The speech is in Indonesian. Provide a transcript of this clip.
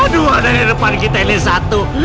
dua ada di depan kita ini satu